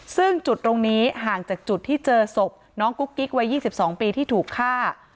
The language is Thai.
ซึ่งจุดตรงนี้ห่างจากจุดที่เจอศพน้องกุ๊กกิ๊กวัย๒๒ปีที่ถูกฆ่า